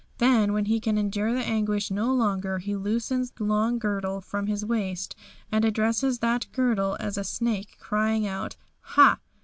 Then, when he can endure the anguish no longer, he loosens the long girdle from his waist and addresses that girdle as a snake, crying out: "Ha!